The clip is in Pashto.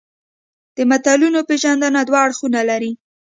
د متلونو پېژندنه دوه اړخونه لري